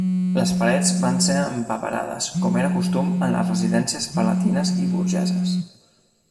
Les parets van ser empaperades, com era costum en les residències palatines i burgeses.